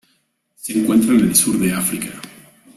Se encuentra en el sur de África.